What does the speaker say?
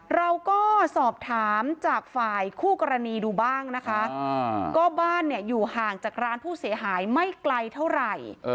เราก็สอบถามจากฝ่ายคู่กรณีดูบ้างนะคะก็บ้านเนี่ยอยู่ห่างจากร้านผู้เสียหายไม่ไกลเท่าไหร่